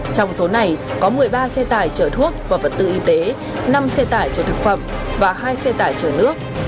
trong số này có một mươi ba xe tải chở thuốc và vật tư y tế năm xe tải chở thực phẩm và hai xe tải chở nước